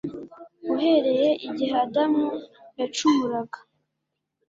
Uhereye igihe Adamu yacumuraga,